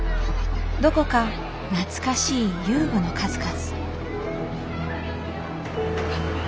どこか懐かしい遊具の数々。